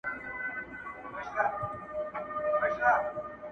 د نېستۍ قصور یې دی دغه سړی چي.